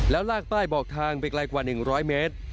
แล้วลากป้ายบอกทางไปไกลกว่า๑๐๐เมตร